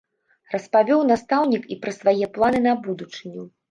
Распавёў настаўнік і пра свае планы на будучыню.